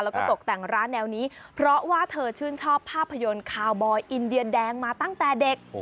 แล้วก็ตกแต่งร้านแนวนี้เพราะว่าเธอชื่นชอบภาพยนตร์คาวบอยอินเดียแดงมาตั้งแต่เด็ก